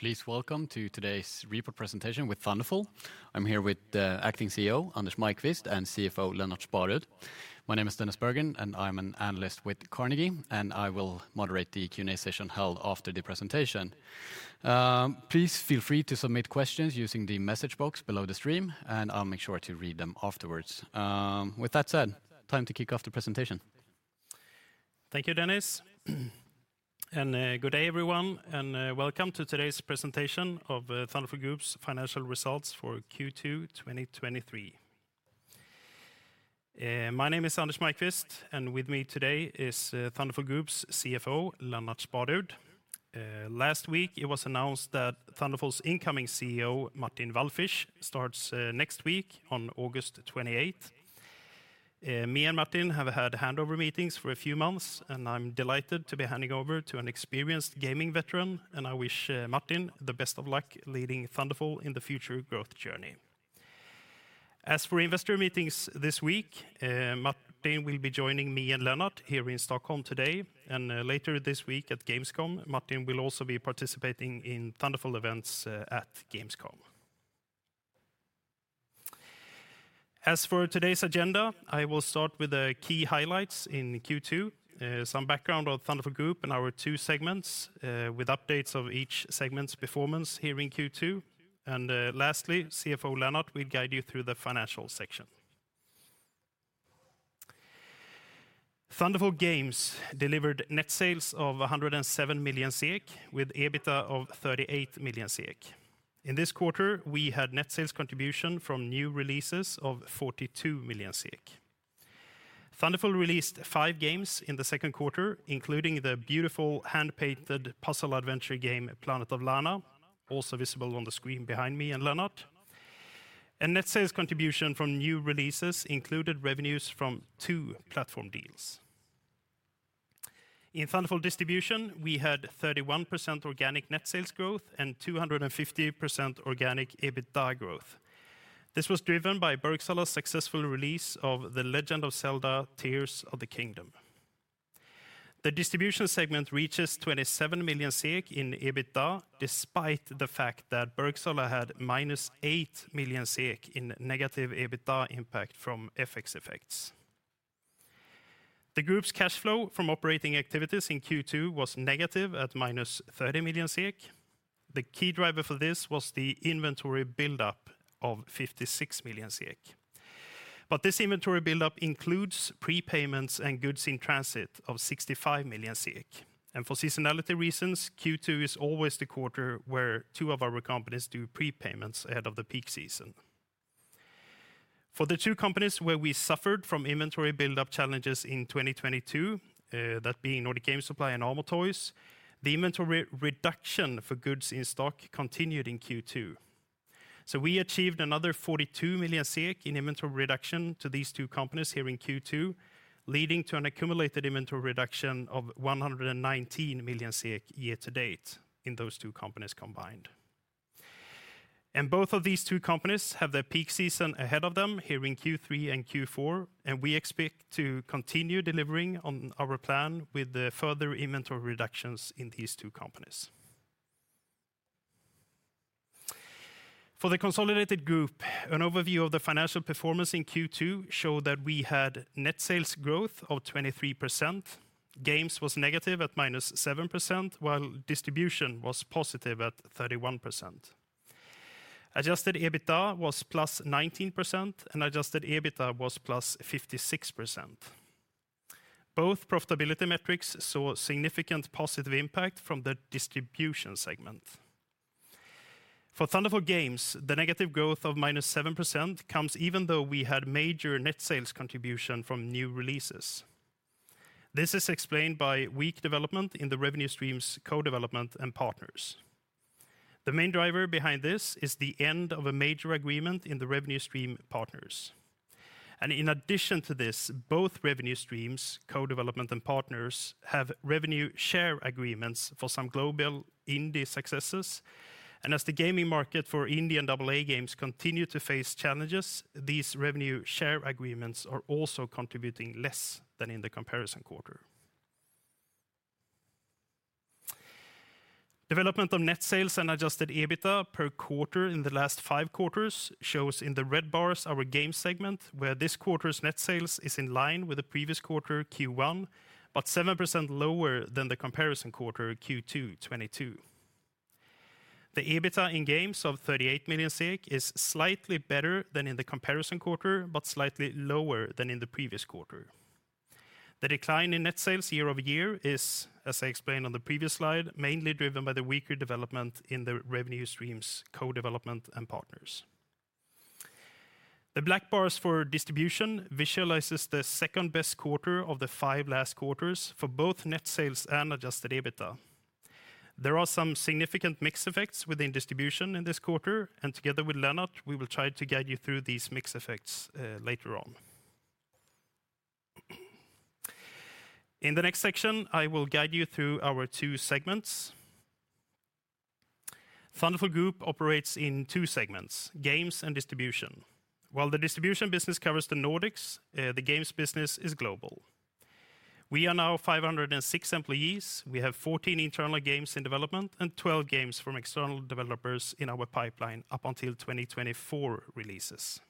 Please welcome to today's report presentation with Thunderful. I'm here with the Acting CEO, Anders Maiqvist, and CFO, Lennart Sparud. My name is Dennis Berggren, and I'm an analyst with Carnegie, and I will moderate the Q&A session held after the presentation. Please feel free to submit questions using the message box below the stream, and I'll make sure to read them afterwards. With that said, time to kick off the presentation. Thank you, Dennis, and good day, everyone, and welcome to today's presentation of Thunderful Group's financial results for Q2 2023. My name is Anders Maiqvist, and with me today is Thunderful Group's CFO, Lennart Sparud. Last week, it was announced that Thunderful's incoming CEO, Martin Walfisz, starts next week on August 28th. Me and Martin have had handover meetings for a few months, and I'm delighted to be handing over to an experienced gaming veteran, and I wish Martin the best of luck leading Thunderful in the future growth journey. As for investor meetings this week, Martin will be joining me and Lennart here in Stockholm today, and later this week at Gamescom, Martin will also be participating in Thunderful events at Gamescom. As for today's agenda, I will start with the key highlights in Q2, some background on Thunderful Group and our two segments, with updates of each segment's performance here in Q2. Lastly, CFO Lennart will guide you through the financial section. Thunderful Games delivered net sales of 107 million, with EBITDA of 38 million. In this quarter, we had net sales contribution from new releases of 42 million. Thunderful released five games in the second quarter, including the beautiful hand-painted puzzle adventure game, Planet of Lana, also visible on the screen behind me and Lennart. A net sales contribution from new releases included revenues from two platform deals. In Thunderful Distribution, we had 31% organic net sales growth and 250% organic EBITDA growth. This was driven by Bergsala's successful release of The Legend of Zelda: Tears of the Kingdom. The distribution segment reaches 27 million SEK in EBITDA, despite the fact that Bergsala had -8 million SEK in negative EBITDA impact from FX effects. The group's cash flow from operating activities in Q2 was negative at -30 million SEK. The key driver for this was the inventory build-up of 56 million SEK. This inventory build-up includes prepayments and goods in transit of 65 million, and for seasonality reasons, Q2 is always the quarter where two of our companies do prepayments ahead of the peak season. For the two companies where we suffered from inventory build-up challenges in 2022, that being Nordic Game Supply and Amo Toys, the inventory reduction for goods in stock continued in Q2. We achieved another 42 million SEK in inventory reduction to these two companies here in Q2, leading to an accumulated inventory reduction of 119 million SEK year to date in those two companies combined. Both of these two companies have their peak season ahead of them here in Q3 and Q4, and we expect to continue delivering on our plan with the further inventory reductions in these two companies. For the consolidated group, an overview of the financial performance in Q2 showed that we had net sales growth of 23%. Games was negative at -7%, while distribution was positive at 31%. Adjusted EBITDA was +19%, and adjusted EBITA was +56%. Both profitability metrics saw significant positive impact from the distribution segment. For Thunderful Games, the negative growth of -7% comes even though we had major net sales contribution from new releases. This is explained by weak development in the revenue streams, co-development and partners. The main driver behind this is the end of a major agreement in the revenue stream partners. In addition to this, both revenue streams, co-development and partners, have revenue share agreements for some global indie successes, and as the gaming market for indie and Double-A games continue to face challenges, these revenue share agreements are also contributing less than in the comparison quarter. Development of net sales and adjusted EBITDA per quarter in the last five quarters shows in the red bars our game segment, where this quarter's net sales is in line with the previous quarter, Q1, but 7% lower than the comparison quarter, Q2 2022. The EBITDA in games of 38 million is slightly better than in the comparison quarter, but slightly lower than in the previous quarter. The decline in net sales year-over-year is, as I explained on the previous slide, mainly driven by the weaker development in the revenue streams, co-development and partners. The black bars for distribution visualizes the second-best quarter of the five last quarters for both net sales and adjusted EBITDA. There are some significant mix effects within distribution in this quarter, and together with Lennart, we will try to guide you through these mix effects later on. In the next section, I will guide you through our two segments. Thunderful Group operates in two segments: games and distribution. While the distribution business covers the Nordics, the games business is global. We are now 506 employees. We have 14 internal games in development, and 12 games from external developers in our pipeline up until 2024 releases.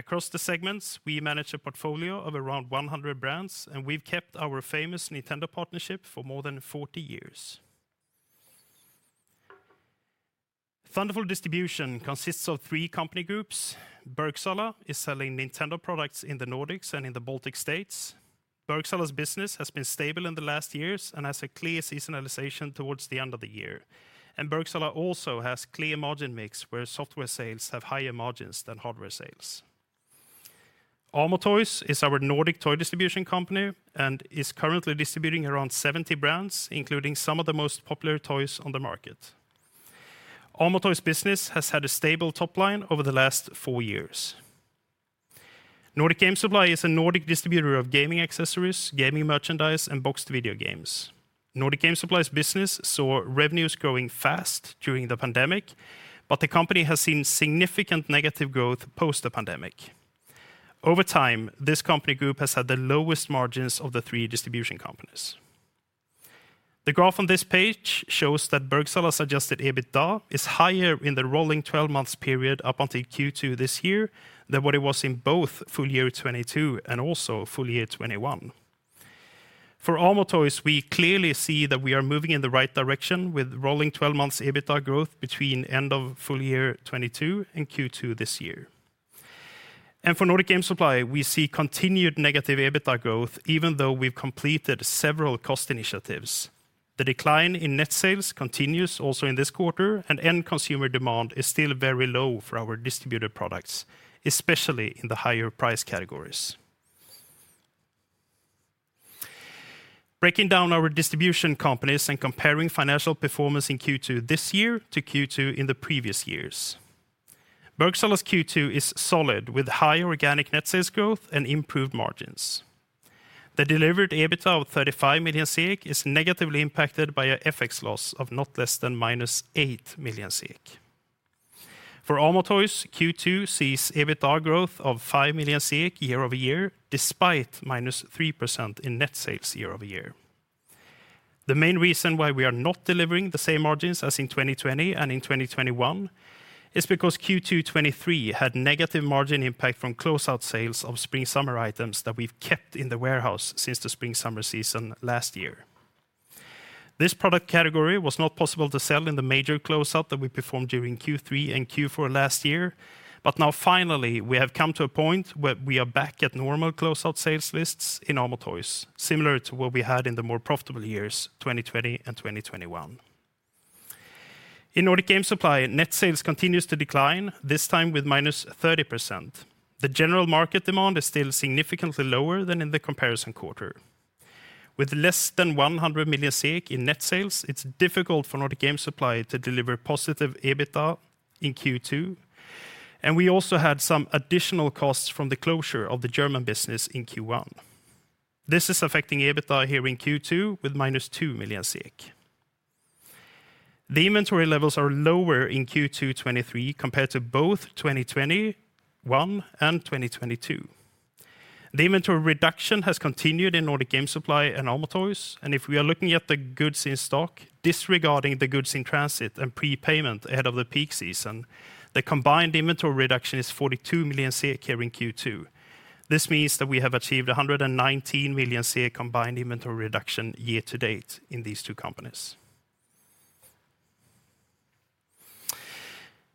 Across the segments, we manage a portfolio of around 100 brands, and we've kept our famous Nintendo partnership for more than 40 years. Thunderful Distribution consists of three company groups. Bergsala is selling Nintendo products in the Nordics and in the Baltic States. Bergsala's business has been stable in the last years and has a clear seasonalization towards the end of the year. Bergsala also has clear margin mix, where software sales have higher margins than hardware sales. Amo Toys is our Nordic toy distribution company and is currently distributing around 70 brands, including some of the most popular toys on the market. Amo Toys business has had a stable top line over the last four years. Nordic Game Supply is a Nordic distributor of gaming accessories, gaming merchandise, and boxed video games. Nordic Game Supply's business saw revenues growing fast during the pandemic, but the company has seen significant negative growth post the pandemic. Over time, this company group has had the lowest margins of the three distribution companies. The graph on this page shows that Bergsala's adjusted EBITDA is higher in the rolling 12 months period up until Q2 this year than what it was in both full year 2022 and also full year 2021. For Amo Toys, we clearly see that we are moving in the right direction with rolling 12 months EBITDA growth between end of full year 2022 and Q2 this year. For Nordic Game Supply, we see continued negative EBITDA growth, even though we've completed several cost initiatives. The decline in net sales continues also in this quarter, and end consumer demand is still very low for our distributor products, especially in the higher price categories. Breaking down our distribution companies and comparing financial performance in Q2 this year to Q2 in the previous years. Bergsala's Q2 is solid, with high organic net sales growth and improved margins. The delivered EBITDA of 35 million is negatively impacted by a FX loss of not less than -8 million. For Amo Toys, Q2 sees EBITDA growth of 5 million year-over-year, despite -3% in net sales year-over-year. The main reason why we are not delivering the same margins as in 2020 and in 2021, is because Q2 2023 had negative margin impact from closeout sales of spring/summer items that we've kept in the warehouse since the spring/summer season last year. This product category was not possible to sell in the major closeout that we performed during Q3 and Q4 last year, now finally, we have come to a point where we are back at normal closeout sales lists in Amo Toys, similar to what we had in the more profitable years, 2020 and 2021. In Nordic Game Supply, net sales continues to decline, this time with -30%. The general market demand is still significantly lower than in the comparison quarter. With less than 100 million in net sales, it's difficult for Nordic Game Supply to deliver positive EBITDA in Q2, and we also had some additional costs from the closure of the German business in Q1. This is affecting EBITDA here in Q2 with -2 million SEK. The inventory levels are lower in Q2 2023, compared to both 2021 and 2022. The inventory reduction has continued in Nordic Game Supply and Amo Toys. If we are looking at the goods in stock, disregarding the goods in transit and prepayment ahead of the peak season, the combined inventory reduction is 42 million SEK here in Q2. This means that we have achieved a 119 million SEK combined inventory reduction year-to-date in these two companies.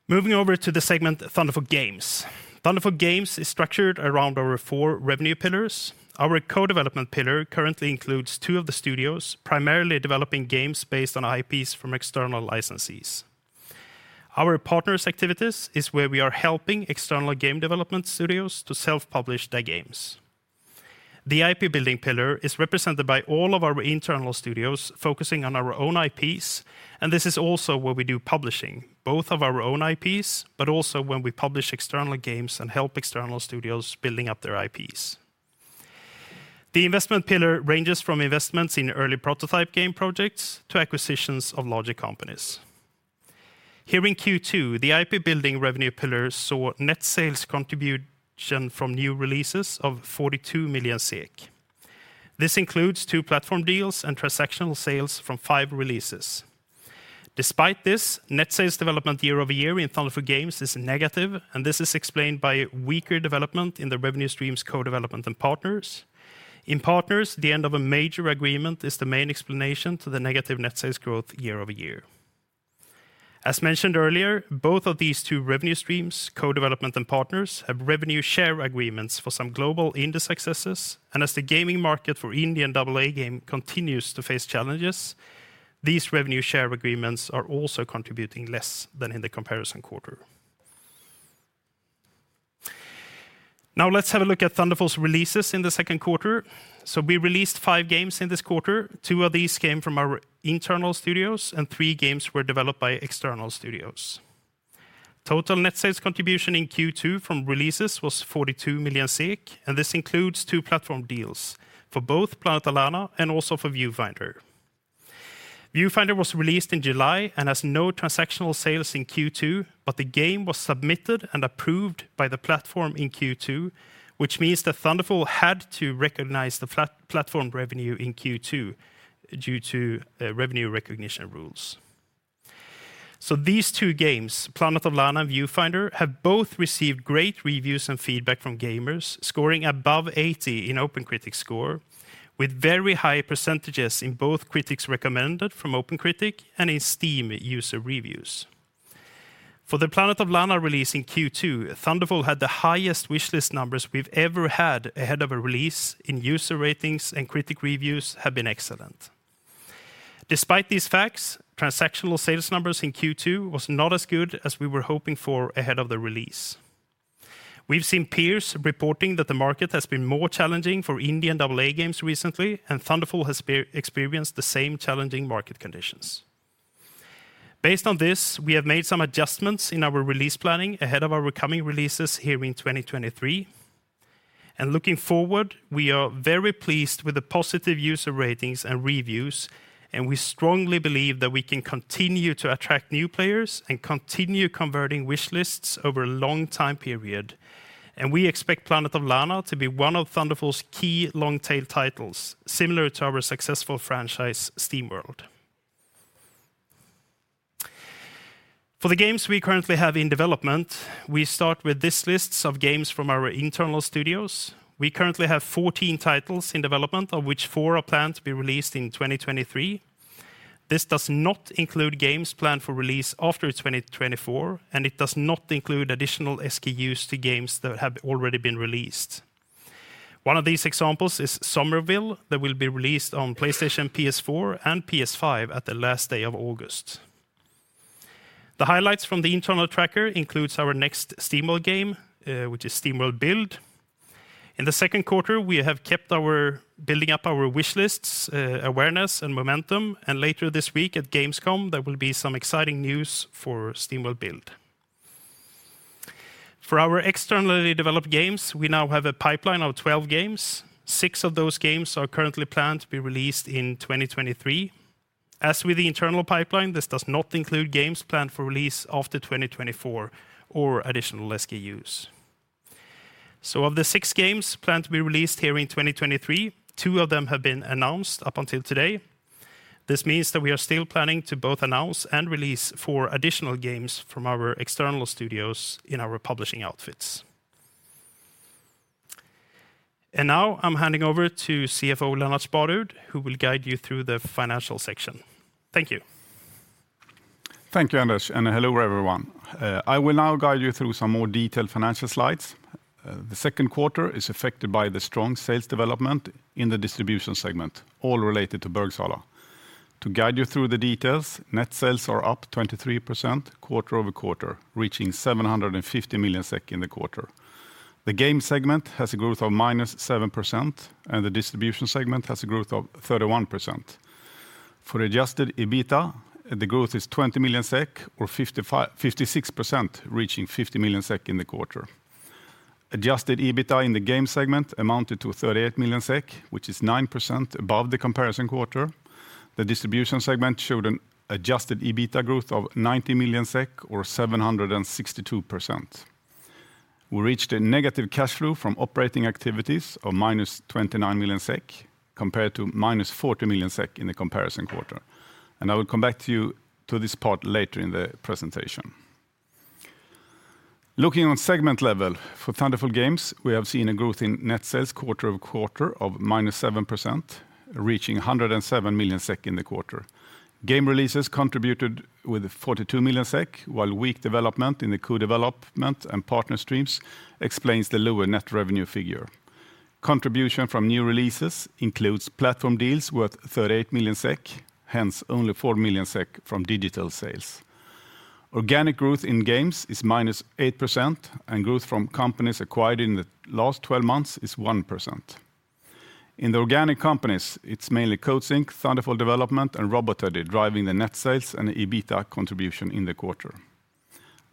Moving over to the segment, Thunderful Games. Thunderful Games is structured around our four revenue pillars. Our co-development pillar currently includes two of the studios, primarily developing games based on IPs from external licensees. Our partners activities is where we are helping external game development studios to self-publish their games. The IP building pillar is represented by all of our internal studios focusing on our own IPs, and this is also where we do publishing, both of our own IPs, but also when we publish external games and help external studios building up their IPs. The investment pillar ranges from investments in early prototype game projects to acquisitions of larger companies. Here in Q2, the IP building revenue pillar saw net sales contribution from new releases of 42 million SEK. This includes two platform deals and transactional sales from five releases. Despite this, net sales development year-over-year in Thunderful Games is negative, and this is explained by weaker development in the revenue streams co-development and partners. In partners, the end of a major agreement is the main explanation to the negative net sales growth year-over-year. As mentioned earlier, both of these two revenue streams, co-development and partners, have revenue share agreements for some global indie successes, and as the gaming market for indie and AA game continues to face challenges, these revenue share agreements are also contributing less than in the comparison quarter. Let's have a look at Thunderful's releases in the second quarter. We released five games in this quarter. Two of these came from our internal studios, and three games were developed by external studios. Total net sales contribution in Q2 from releases was 42 million SEK, and this includes two platform deals for both Planet of Lana and also for Viewfinder. Viewfinder was released in July and has no transactional sales in Q2, but the game was submitted and approved by the platform in Q2, which means that Thunderful had to recognize the platform revenue in Q2 due to revenue recognition rules. These two games, Planet of Lana and Viewfinder, have both received great reviews and feedback from gamers, scoring above 80 in OpenCritic score, with very high percentages in both critics recommended from OpenCritic and in Steam user reviews. For the Planet of Lana release in Q2, Thunderful had the highest wish list numbers we've ever had ahead of a release, and user ratings and critic reviews have been excellent. Despite these facts, transactional sales numbers in Q2 was not as good as we were hoping for ahead of the release. We've seen peers reporting that the market has been more challenging for indie and AA games recently. Thunderful has experienced the same challenging market conditions. Based on this, we have made some adjustments in our release planning ahead of our upcoming releases here in 2023. Looking forward, we are very pleased with the positive user ratings and reviews, and we strongly believe that we can continue to attract new players and continue converting wish lists over a long time period. We expect Planet of Lana to be one of Thunderful's key long tail titles, similar to our successful franchise, SteamWorld. For the games we currently have in development, we start with this lists of games from our internal studios. We currently have 14 titles in development, of which four are planned to be released in 2023. This does not include games planned for release after 2024. It does not include additional SKUs to games that have already been released. One of these examples is Somerville, that will be released on PlayStation PS4 and PS5 at the last day of August. The highlights from the internal tracker includes our next SteamWorld game, which is SteamWorld Build. In the second quarter, we have kept our building up our wish lists, awareness, and momentum. Later this week at Gamescom, there will be some exciting news for SteamWorld Build. For our externally developed games, we now have a pipeline of 12 games. Six of those games are currently planned to be released in 2023. As with the internal pipeline, this does not include games planned for release after 2024 or additional SKUs. Of the six games planned to be released here in 2023, two of them have been announced up until today. This means that we are still planning to both announce and release four additional games from our external studios in our publishing outfits. Now I'm handing over to CFO Lennart Sparud, who will guide you through the financial section. Thank you. Thank you, Anders, and hello, everyone. I will now guide you through some more detailed financial slides. The second quarter is affected by the strong sales development in the distribution segment, all related to Bergsala. To guide you through the details, net sales are up 23% quarter-over-quarter, reaching 750 million SEK in the quarter. The game segment has a growth of -7%, and the distribution segment has a growth of 31%. For adjusted EBITA, the growth is 20 million SEK, or 56%, reaching 50 million SEK in the quarter. Adjusted EBITA in the game segment amounted to 38 million SEK, which is 9% above the comparison quarter. The distribution segment showed an adjusted EBITA growth of 90 million SEK or 762%. We reached a negative cash flow from operating activities of -29 million SEK, compared to -40 million SEK in the comparison quarter. I will come back to you to this part later in the presentation. Looking on segment level for Thunderful Games, we have seen a growth in net sales quarter-over-quarter of-7%, reaching 107 million SEK in the quarter. Game releases contributed with 42 million SEK, while weak development in the co-development and partner streams explains the lower net revenue figure. Contribution from new releases includes platform deals worth 38 million SEK, hence only 4 million SEK from digital sales. Organic growth in games is -8%, and growth from companies acquired in the last 12 months is 1%. In the organic companies, it's mainly Coatsink, Thunderful Development, and Robot Teddy driving the net sales and EBITA contribution in the quarter.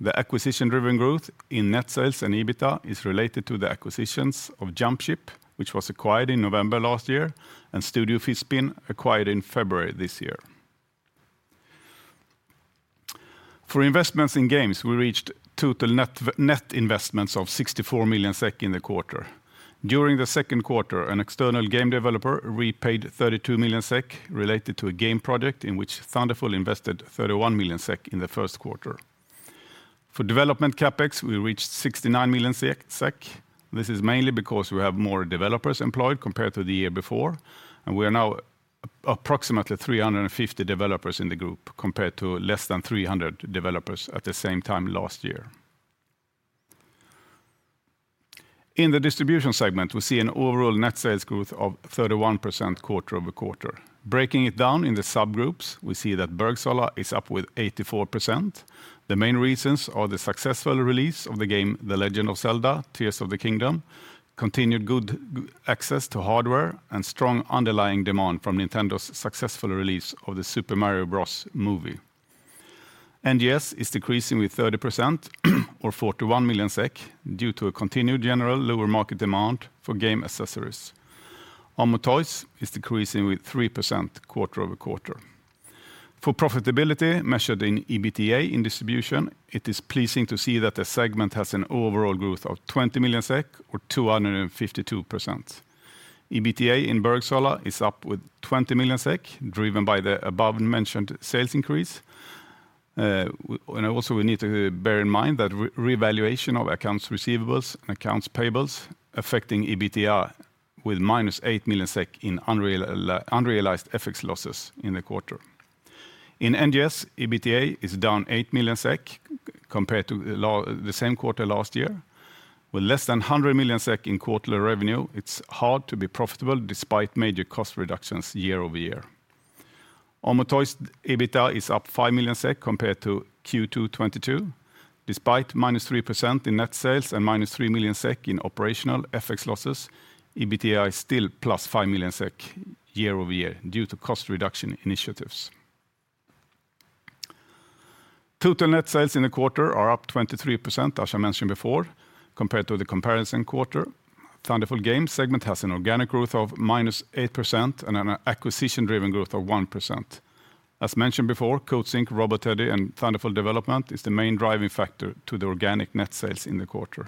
The acquisition-driven growth in net sales and EBITA is related to the acquisitions of Jumpship, which was acquired in November last year, and Studio Fizbin, acquired in February this year. For investments in games, we reached total net, net investments of 64 million SEK in the quarter. During the second quarter, an external game developer repaid 32 million SEK related to a game project in which Thunderful invested 31 million SEK in the first quarter. For development CapEx, we reached 69 million SEK. This is mainly because we have more developers employed compared to the year before, and we are now approximately 350 developers in the group, compared to less than 300 developers at the same time last year. In the distribution segment, we see an overall net sales growth of 31% quarter-over-quarter. Breaking it down in the subgroups, we see that Bergsala is up with 84%. The main reasons are the successful release of the game, The Legend of Zelda: Tears of the Kingdom, continued good access to hardware, and strong underlying demand from Nintendo's successful release of The Super Mario Bros. Movie. NGS is decreasing with 30% or 41 million SEK, due to a continued general lower market demand for game accessories. Amo Toys is decreasing with 3% quarter-over-quarter. For profitability measured in EBITDA in distribution, it is pleasing to see that the segment has an overall growth of 20 million SEK or 252%. EBITDA in Bergsala is up with 20 million SEK, driven by the above-mentioned sales increase. And also, we need to bear in mind that revaluation of accounts receivables and accounts payables, affecting EBITDA with -8 million SEK in unrealized FX losses in the quarter. In NGS, EBITDA is down 8 million SEK compared to the same quarter last year, with less than 100 million SEK in quarterly revenue, it's hard to be profitable despite major cost reductions year-over-year. Amo Toys' EBITDA is up +5 million SEK compared to Q2 2022, despite -3% in net sales and -3 million SEK in operational FX losses, EBITDA is still +SEK 5 million year-over-year due to cost reduction initiatives. Total net sales in the quarter are up +23%, as I mentioned before, compared to the comparison quarter. Thunderful Games segment has an organic growth of -8% and an acquisition-driven growth of 1%. As mentioned before, Coatsink, Robot Teddy, and Thunderful Development is the main driving factor to the organic net sales in the quarter.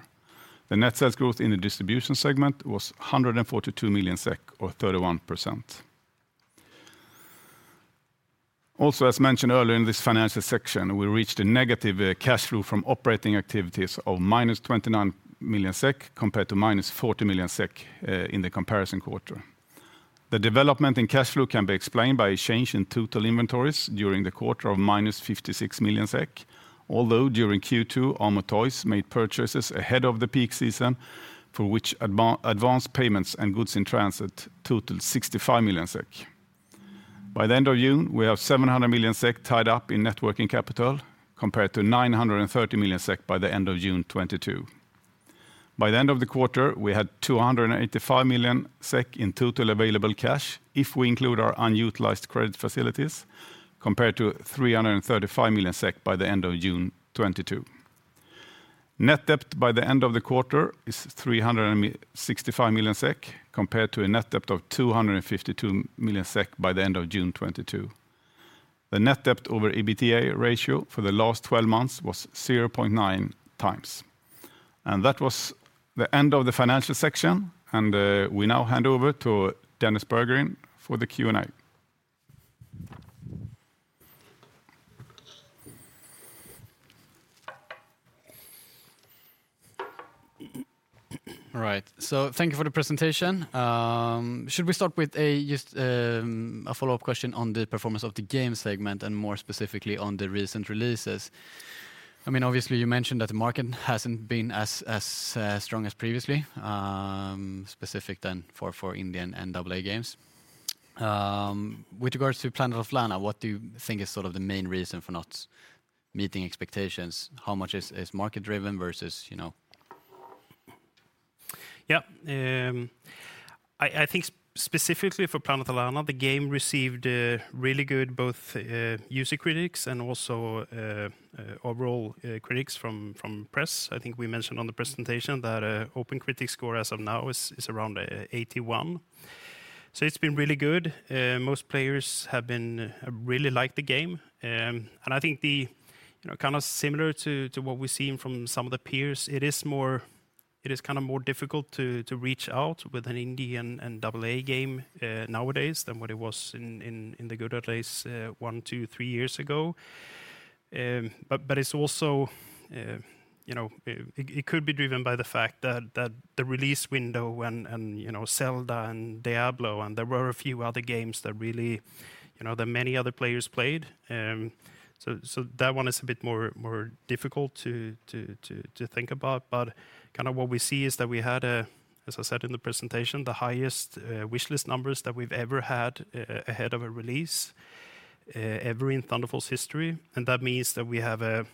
The net sales growth in the distribution segment was 142 million SEK or 31%. Also, as mentioned earlier in this financial section, we reached a negative cash flow from operating activities of -29 million SEK, compared to -40 million SEK in the comparison quarter. The development in cash flow can be explained by a change in total inventories during the quarter of -56 million SEK, although during Q2, Amo Toys made purchases ahead of the peak season, for which advance payments and goods in transit totaled 65 million SEK. By the end of June, we have 700 million SEK tied up in net working capital, compared to 930 million SEK by the end of June 2022. By the end of the quarter, we had 285 million SEK in total available cash, if we include our unutilized credit facilities, compared to 335 million SEK by the end of June 2022. Net debt by the end of the quarter is 365 million SEK, compared to a net debt of 252 million SEK by the end of June 2022. The net debt over EBITDA ratio for the last twelve months was 0.9x. That was the end of the financial section, and we now hand over to Dennis Berggren for the Q&A. All right, thank you for the presentation. Should we start with a just a follow-up question on the performance of the game segment, and more specifically, on the recent releases? I mean, obviously, you mentioned that the market hasn't been as, as strong as previously, specific than for, for indie and AA games. With regards to Planet of Lana, what do you think is sort of the main reason for not meeting expectations? How much is market-driven versus, you know...? Yeah, I, I think specifically for Planet of Lana, the game received really good both user critics and also overall critics from press. I think we mentioned on the presentation that OpenCritic score as of now is around 81. So it's been really good. Most players have been really like the game. And I think the, you know, kind of similar to, to what we've seen from some of the peers, it is more it is kind of more difficult to, to reach out with an indie and AA game nowadays than what it was in, in, in the good old days, 1, 2, 3 years ago. But, but it's also, you know. It, it could be driven by the fact that, that the release window and, and, you know, Zelda and Diablo, and there were a few other games that really, you know, that many other players played. So that one is a bit more, more difficult to think about, but kind of what we see is that we had, as I said in the presentation, the highest, wish list numbers that we've ever had ahead of a release, ever in Thunderful's history. That means that we have a,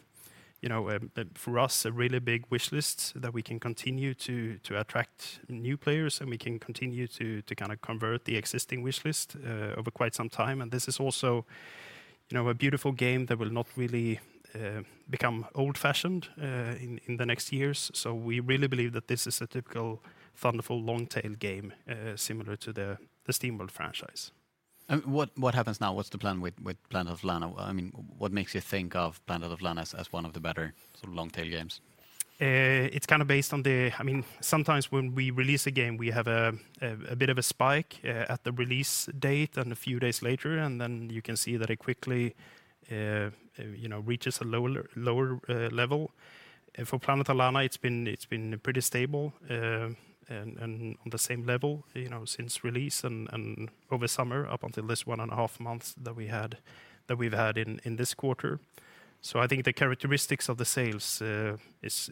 you know, for us, a really big wish list that we can continue to attract new players, and we can continue to kind of convert the existing wish list, over quite some time. This is also, you know, a beautiful game that will not really become old-fashioned in the next years. We really believe that this is a typical Thunderful long-tail game, similar to the SteamWorld franchise. What, what happens now? What's the plan with, with Planet of Lana? I mean, what makes you think of Planet of Lana as, as one of the better sort of long-tail games? It's kind of based on the—I mean, sometimes when we release a game, we have a bit of a spike at the release date and a few days later, and then you can see that it quickly, you know, reaches a lower, lower level. For Planet of Lana, it's been, it's been pretty stable, and on the same level, you know, since release and over summer, up until this 1.5 months that we've had in this quarter. So I think the characteristics of the sales is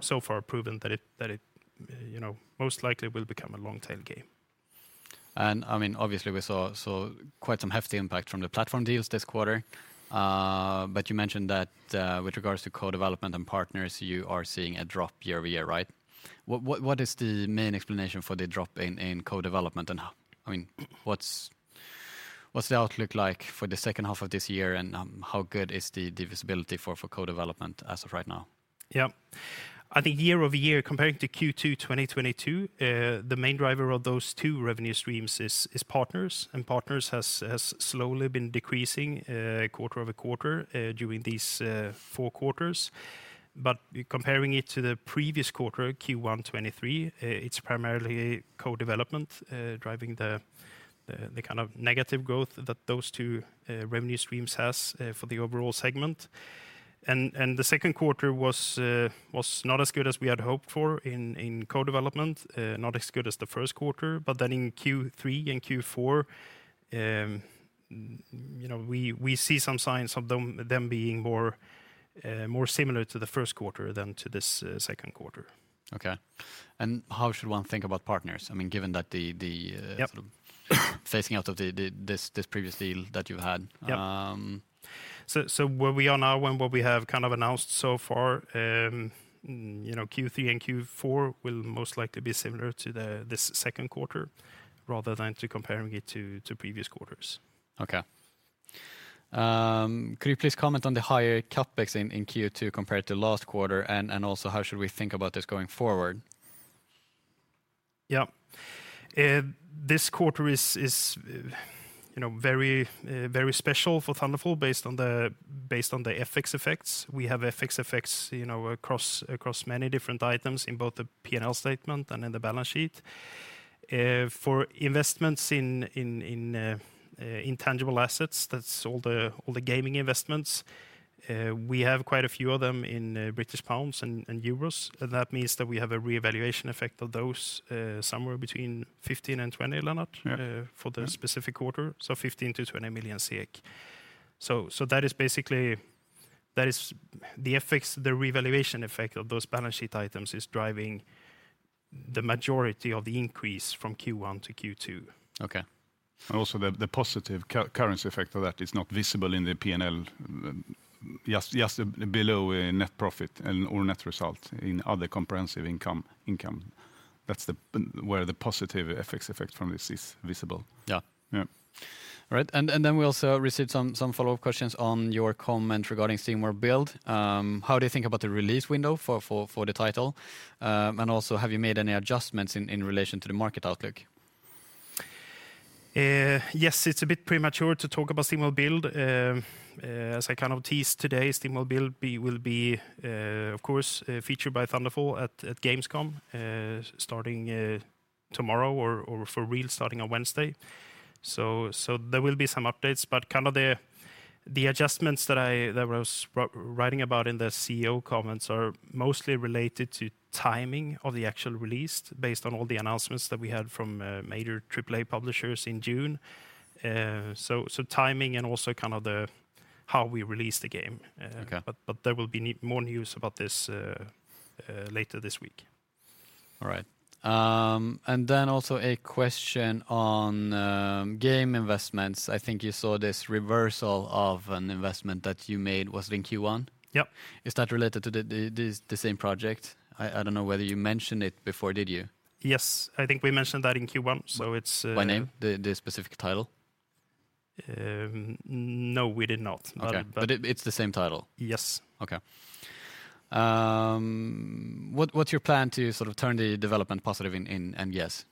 so far proven that it, that it, you know, most likely will become a long-tail game. I mean, obviously, we saw, saw quite some hefty impact from the platform deals this quarter. You mentioned that, with regards to co-development and partners, you are seeing a drop year-over-year, right? What, what, what is the main explanation for the drop in, in co-development? I mean, what's the outlook like for the second half of this year, and, how good is the visibility for co-development as of right now? Yeah. I think year-over-year, comparing to Q2 2022, the main driver of those two revenue streams is, is partners, and partners has, has slowly been decreasing, quarter-over-quarter, during these, four quarters. Comparing it to the previous quarter, Q1 2023, it's primarily co-development, driving the, the, the kind of negative growth that those two, revenue streams has, for the overall segment. The second quarter was, was not as good as we had hoped for in, in co-development, not as good as the first quarter, then in Q3 and Q4, you know, we, we see some signs of them, them being more, more similar to the first quarter than to this, second quarter. Okay. How should one think about partners? I mean, given that the, the... Yep... phasing out of this previous deal that you had? Yep. Um- So where we are now and what we have kind of announced so far, you know, Q3 and Q4 will most likely be similar to this second quarter, rather than to comparing it to previous quarters. Okay. Could you please comment on the higher CapEx in Q2 compared to last quarter, and also how should we think about this going forward? Yeah. This quarter is, is, you know, very, very special for Thunderful based on the, based on the FX effects. We have FX effects, you know, across, across many different items in both the P&L statement and in the balance sheet. For investments in, in, in, intangible assets, that's all the, all the gaming investments, we have quite a few of them in, British pounds and, and euros, and that means that we have a reevaluation effect of those, somewhere between 15% and 20%, Lennart-. Yeah... for the specific quarter, so 15 million-20 million. That is basically, that is the effects, the revaluation effect of those balance sheet items is driving the majority of the increase from Q1 to Q2. Okay. Also, the positive currency effect of that is not visible in the P&L. Just below net profit and or net result in other comprehensive income. That's where the positive FX effect from this is visible. Yeah. Yeah. All right. We also received some follow-up questions on your comment regarding SteamWorld Build. How do you think about the release window for the title? Also, have you made any adjustments in relation to the market outlook? Yes, it's a bit premature to talk about SteamWorld Build. As I kind of teased today, SteamWorld Build will be, of course, featured by Thunderful at Gamescom, starting tomorrow or, for real, starting on Wednesday. There will be some updates, but kind of the adjustments that I was writing about in the CEO comments are mostly related to timing of the actual release, based on all the announcements that we had from major AAA publishers in June. Timing and also kind of the, how we release the game. Okay. But there will be more news about this, later this week. All right. Then also a question on game investments. I think you saw this reversal of an investment that you made, was it in Q1? Yep. Is that related to the same project? I don't know whether you mentioned it before, did you? Yes, I think we mentioned that in Q1, so it's. By name, the, the specific title? No, we did not. Okay. But- It's the same title? Yes. Okay. What, what's your plan to sort of turn the development positive in, in NGS?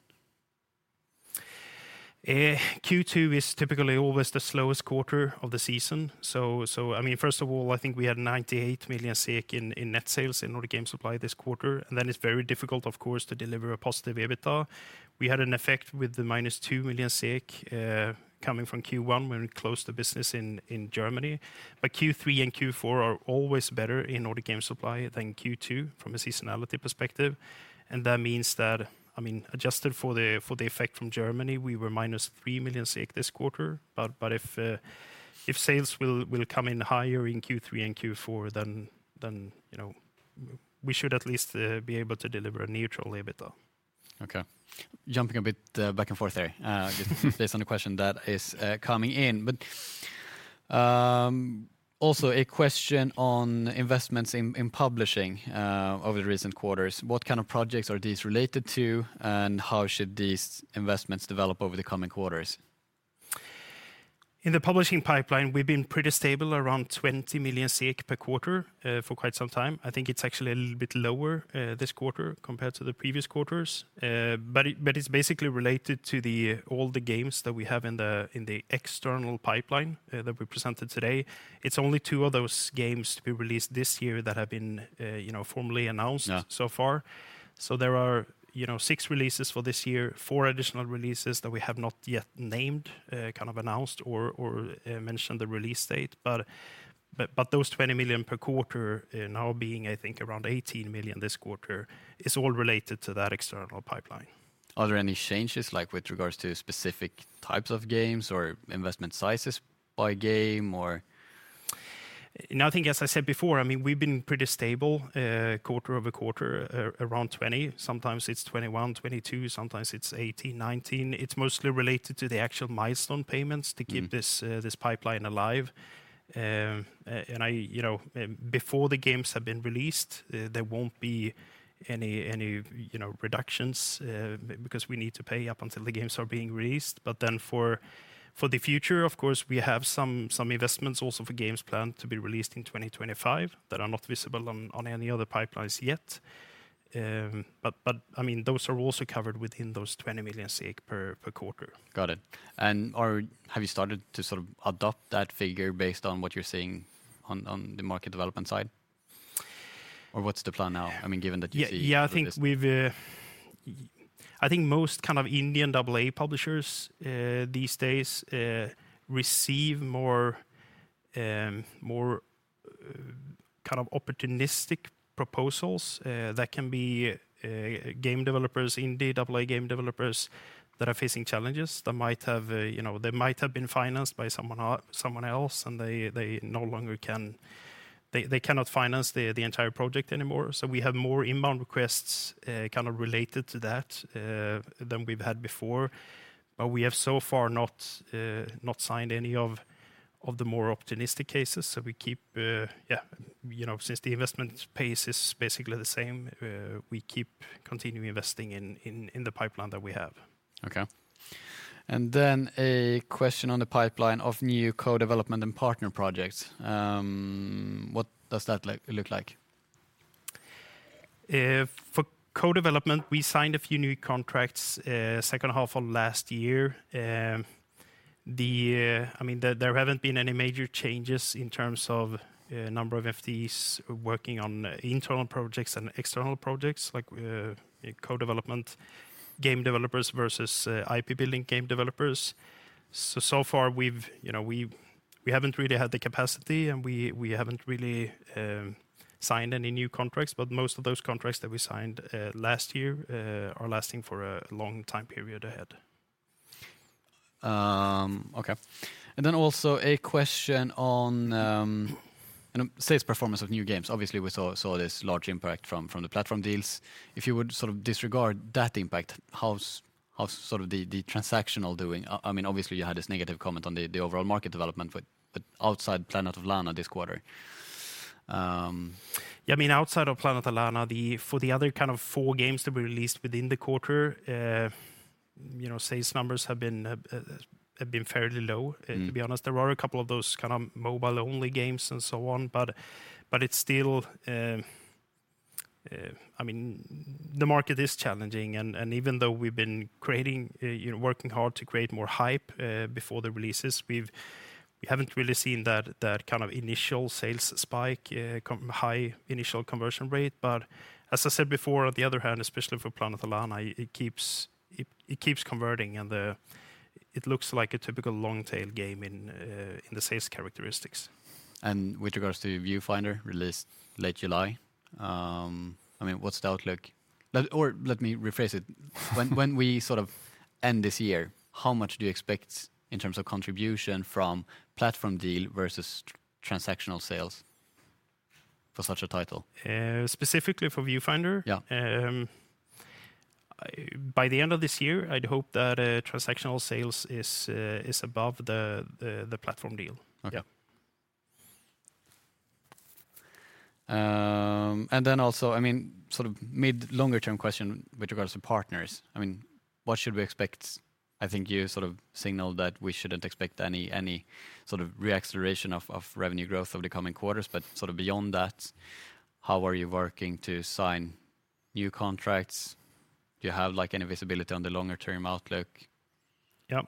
Q2 is typically always the slowest quarter of the season. First of all, I think we had 98 million SEK in net sales in Nordic Game Supply this quarter. It's very difficult, of course, to deliver a positive EBITDA. We had an effect with the -2 million SEK coming from Q1 when we closed the business in Germany. Q3 and Q4 are always better in Nordic Game Supply than Q2 from a seasonality perspective. Adjusted for the effect from Germany, we were -3 million this quarter. If sales will come in higher in Q3 and Q4, you know, we should at least be able to deliver a neutral EBITDA. Okay. Jumping a bit back and forth there, based on the question that is coming in. Also a question on investments in publishing over the recent quarters. What kind of projects are these related to, and how should these investments develop over the coming quarters? In the publishing pipeline, we've been pretty stable, around 20 million per quarter, for quite some time. I think it's actually a little bit lower this quarter compared to the previous quarters. It's basically related to the, all the games that we have in the, in the external pipeline, that we presented today. It's only two of those games to be released this year that have been, you know, formally announced... Yeah so far. There are, you know, six releases for this year, four additional releases that we have not yet named, kind of announced or mentioned the release date. Those 20 million per quarter, now being, I think, around 18 million this quarter, is all related to that external pipeline. Are there any changes, like with regards to specific types of games or investment sizes by game or...? No, I think as I said before, I mean, we've been pretty stable, quarter-over-quarter, around 20. Sometimes it's 21, 22, sometimes it's 18, 19. It's mostly related to the actual milestone payments- Mm-hmm... to keep this pipeline alive. I, you know, before the games have been released, there won't be any, any, you know, reductions, because we need to pay up until the games are being released. Then for, for the future, of course, we have some, some investments also for games planned to be released in 2025, that are not visible on any of the pipelines yet. I mean, those are also covered within those 20 million per quarter. Got it. Have you started to sort of adopt that figure based on what you're seeing on, on the market development side? What's the plan now, I mean, given that? Yeah, yeah, I think we've, I think most kind of indie AA publishers, these days, receive more, more, kind of opportunistic proposals that can be game developers, indie AA game developers, that are facing challenges, that might have, you know, they might have been financed by someone someone else, and they, they no longer can they, they cannot finance the entire project anymore. We have more inbound requests, kind of related to that, than we've had before. We have so far not, not signed any of, of the more opportunistic cases, so we keep, yeah, you know, since the investment pace is basically the same, we keep continuing investing in, in, in the pipeline that we have. Okay. Then a question on the pipeline of new co-development and partner projects. What does that look, look like? For co-development, we signed a few new contracts, second half of last year. The, I mean, there, there haven't been any major changes in terms of, number of FTEs working on, internal projects and external projects, like, co-development game developers versus, IP building game developers. So far we've, you know, we haven't really had the capacity, and we, we haven't really, signed any new contracts, but most of those contracts that we signed, last year, are lasting for a long time period ahead. Okay. Then also a question on sales performance of new games. Obviously, we saw this large impact from the platform deals. If you would sort of disregard that impact, how's sort of the transactional doing? I mean, obviously, you had this negative comment on the overall market development, but outside Planet of Lana this quarter. Yeah, I mean, outside of Planet of Lana, for the other kind of four games that we released within the quarter, you know, sales numbers have been fairly low. Mm. To be honest. There are a couple of those kind of mobile-only games and so on, but, but it's still, I mean, the market is challenging, and, and even though we've been creating, you know, working hard to create more hype, before the releases, we haven't really seen that, that kind of initial sales spike, high initial conversion rate. But as I said before, on the other hand, especially for Planet of Lana, it keeps, it, it keeps converting, and the it looks like a typical long tail game in the sales characteristics. With regards to Viewfinder, released late July, I mean, what's the outlook? Or let me rephrase it. When, when we sort of end this year, how much do you expect in terms of contribution from platform deal versus transactional sales for such a title? Specifically for Viewfinder? Yeah. By the end of this year, I'd hope that transactional sales is above the platform deal. Okay. Yeah. Then also, I mean, sort of mid-longer-term question with regards to partners, I mean, what should we expect? I think you sort of signaled that we shouldn't expect any, any sort of reacceleration of, of revenue growth over the coming quarters, but sort of beyond that, how are you working to sign new contracts? Do you have, like, any visibility on the longer-term outlook? Yeah.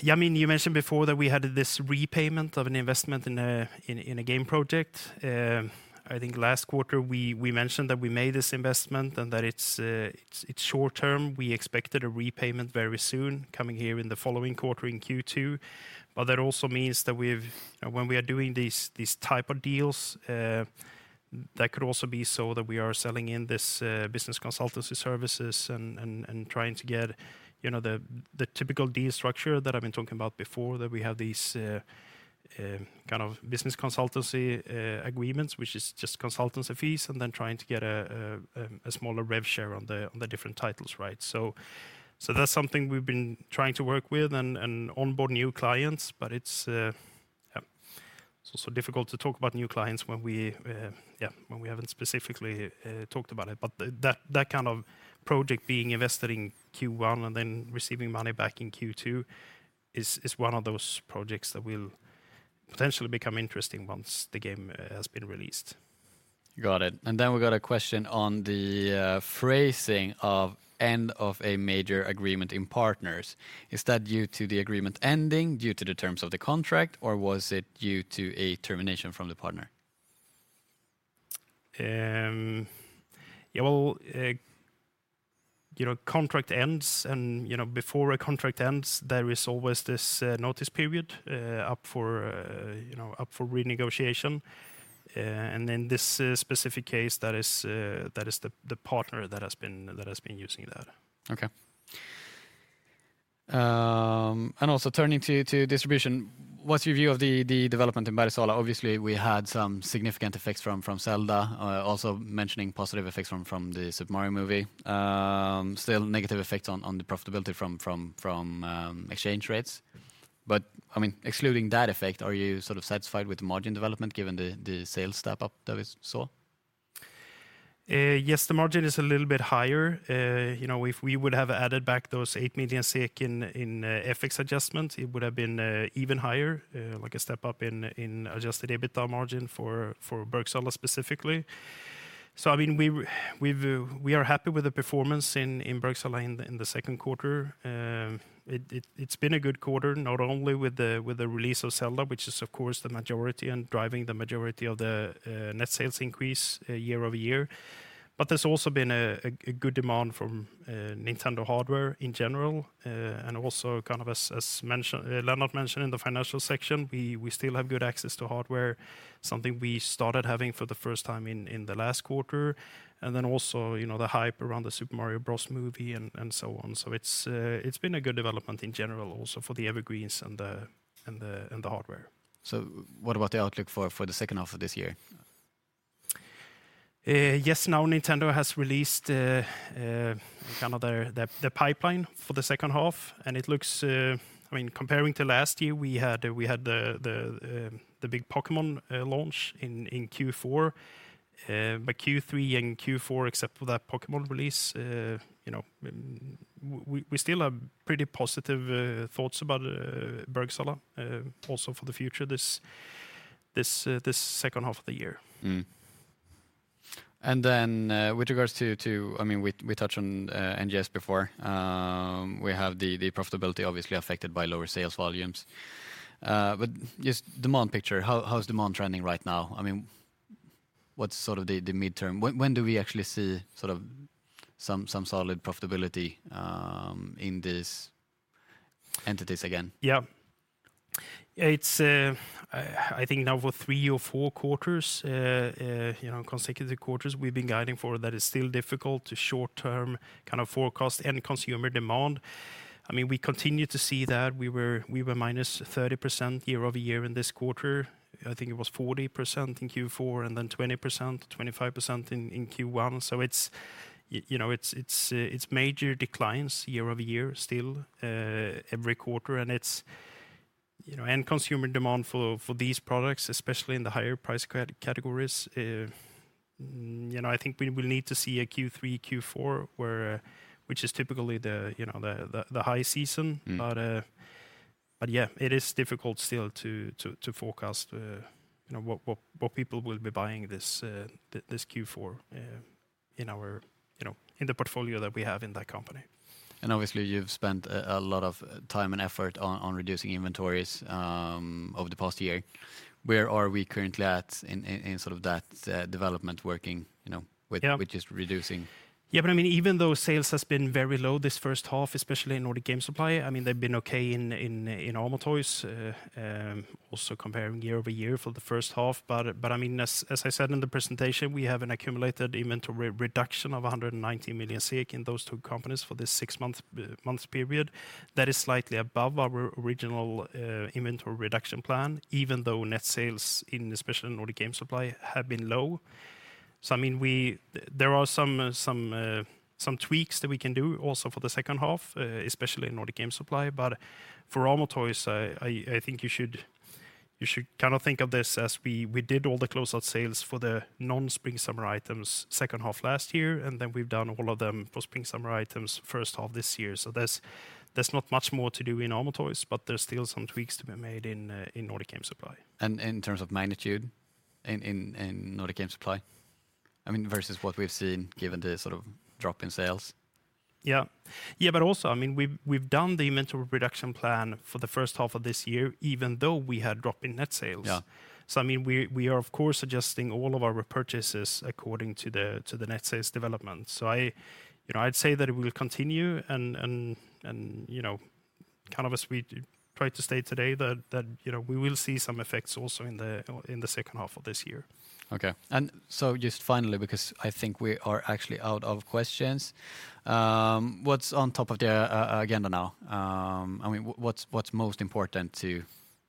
Yeah, I mean, you mentioned before that we had this repayment of an investment in a, in a, in a game project. I think last quarter, we, we mentioned that we made this investment and that it's, it's, it's short term. We expected a repayment very soon, coming here in the following quarter, in Q2. That also means that we've-- when we are doing these, these type of deals, that could also be so that we are selling in this business consultancy services and, and, and trying to get, you know, the, the typical deal structure that I've been talking about before, that we have these kind of business consultancy agreements, which is just consultancy fees, and then trying to get a, a, a, a smaller rev share on the, on the different titles, right? So that's something we've been trying to work with and, and onboard new clients, but it's. Yeah, it's also difficult to talk about new clients when we, yeah, when we haven't specifically talked about it. That, that kind of project being invested in Q1 and then receiving money back in Q2 is, is one of those projects that will potentially become interesting once the game has been released. Got it. Then we got a question on the phrasing of end of a major agreement in partners. Is that due to the agreement ending, due to the terms of the contract, or was it due to a termination from the partner? Yeah, well, you know, contract ends. You know, before a contract ends, there is always this notice period up for, you know, up for renegotiation. In this specific case, that is, that is the partner that has been, that has been using that. Okay. Also turning to, to distribution, what's your view of the, the development in Bergsala? Obviously, we had some significant effects from, from Zelda, also mentioning positive effects from, from The Super Mario Movie. Still negative effects on, on the profitability from, from, from, exchange rates. I mean, excluding that effect, are you sort of satisfied with the margin development, given the, the sales step up that we saw? Yes, the margin is a little bit higher. You know, if we would have added back those 8 million SEK in, in FX adjustments, it would have been even higher, like a step up in adjusted EBITDA margin for Bergsala specifically. I mean, we, we've, we are happy with the performance in Bergsala in the second quarter. It, it, it's been a good quarter, not only with the, with the release of Zelda, which is, of course, the majority and driving the majority of the net sales increase year-over-year. There's also been a good demand from Nintendo hardware in general, and also kind of as, as mentioned, Lennart mentioned in the financial section, we, we still have good access to hardware, something we started having for the first time in the last quarter. Then also, you know, the hype around The Super Mario Bros. Movie and so on. It's been a good development in general also for the evergreens and the and the and the hardware. What about the outlook for the second half of this year? Yes, now Nintendo has released the, kind of their, the, the pipeline for the second half, and it looks... I mean, comparing to last year, we had, we had the, the, the big Pokémon, launch in, in Q4. Q3 and Q4, except for that Pokémon release, you know, we still have pretty positive, thoughts about, Bergsala, also for the future, this, this, this second half of the year. Then, with regards to, to, I mean, we, we touched on NGS before. We have the, the profitability obviously affected by lower sales volumes. Just demand picture, how, how is demand trending right now? I mean, what's sort of the, the midterm? When, when do we actually see sort of some, some solid profitability in these entities again? Yeah. It's, I think now for three of four quarters, you know, consecutive quarters, we've been guiding for that it's still difficult to short-term kind of forecast end consumer demand. I mean, we continue to see that we were, we were -30% year-over-year in this quarter. I think it was 40% in Q4, and then 20%, 25% in, in Q1. So it's you know, it's, it's major declines year-over-year, still, every quarter. And it's, you know, end consumer demand for, for these products, especially in the higher price categories, you know, I think we will need to see a Q3, Q4, where which is typically the, you know, the, the, the high season. Mm. Yeah, it is difficult still to, to, to forecast, you know, what, what, what people will be buying this, this Q4, in our, you know, in the portfolio that we have in that company. Obviously, you've spent a lot of time and effort on reducing inventories over the past year. Where are we currently at in sort of that development working, you know... Yeah ...which is reducing? Yeah, but I mean, even though sales has been very low this first half, especially in Nordic Game Supply, I mean, they've been okay in, in, in Amo Toys, also comparing year-over-year for the first half. I mean, as, as I said in the presentation, we have an accumulated inventory reduction of 190 million SEK in those two companies for this six-month months period. That is slightly above our original inventory reduction plan, even though net sales in especially Nordic Game Supply have been low. I mean, we there are some, some, some tweaks that we can do also for the second half, especially in Nordic Game Supply. For Amo Toys, I think you should kind of think of this as we, we did all the closeout sales for the non-spring/summer items second half last year, and then we've done all of them for spring/summer items first half this year. There's not much more to do in Amo Toys, but there's still some tweaks to be made in Nordic Game Supply. In terms of magnitude in Nordic Game Supply, I mean, versus what we've seen, given the sort of drop in sales? Yeah. Yeah, also, I mean, we've, we've done the inventory reduction plan for the first half of this year, even though we had drop in net sales. Yeah. I mean, we, we are, of course, adjusting all of our repurchases according to the, to the net sales development. I, you know, I'd say that it will continue and, and, and, you know, kind of as we tried to state today, that, that, you know, we will see some effects also in the, in the second half of this year. Okay. just finally, because I think we are actually out of questions, what's on top of the agenda now? I mean, what, what's, what's most important to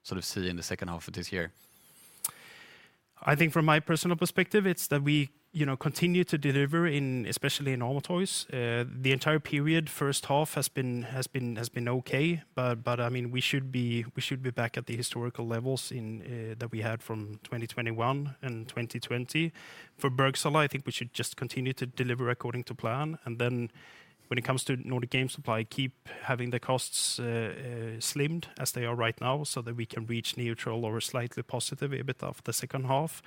sort of see in the second half of this year? I think from my personal perspective, it's that we, you know, continue to deliver in, especially in Amo Toys. The entire period, first half has been okay, but, I mean, we should be, we should be back at the historical levels in that we had from 2021 and 2020. For Bergsala, I think we should just continue to deliver according to plan, when it comes to Nordic Game Supply, keep having the costs slimmed as they are right now, so that we can reach neutral or slightly positive EBITDA for the second half.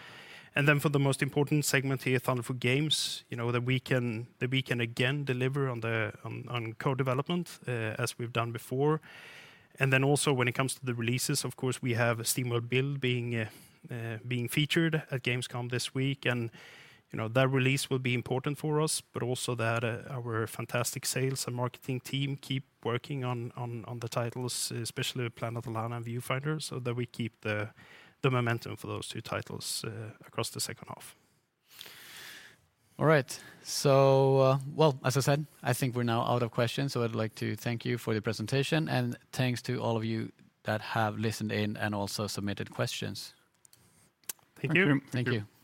For the most important segment here, Thunderful Games, you know, that we can, that we can again deliver on co-development as we've done before. Then also, when it comes to the releases, of course, we have SteamWorld Build being featured at Gamescom this week, and, you know, that release will be important for us, but also that our fantastic sales and marketing team keep working on, on, on the titles, especially Planet of Lana and Viewfinder, so that we keep the, the momentum for those two titles across the second half. All right. Well, as I said, I think we're now out of questions, so I'd like to thank you for your presentation, and thanks to all of you that have listened in and also submitted questions. Thank you. Thank you.